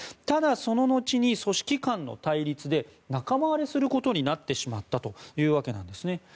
ただ、そののちに組織間の対立で仲間割れすることになってしまったというわけなんです。